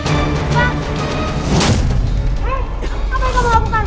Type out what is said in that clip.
apa yang kamu lakukan